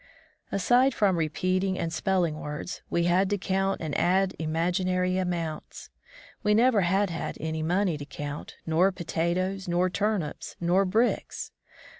Aside from repeating and spelling words, we had to comit and add imaginary amomits. We never had had any money to comit, nor potatoes, nor turnips, nor bricks.